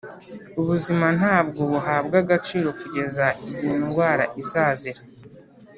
ubuzima ntabwo buhabwa agaciro kugeza igihe indwara izazira.